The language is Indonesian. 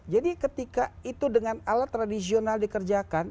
jadi ketika itu dengan alat tradisional dikerjakan